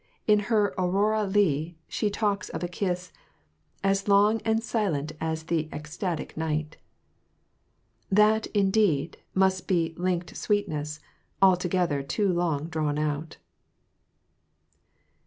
In her 'Aurora Leigh' she talks of a kiss 'As long and silent as the ecstatic night.' That, indeed, must be 'linked sweetness' altogether too long drawn out.